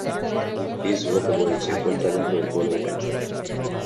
East Rockaway se encuentra dentro del pueblo de Hempstead.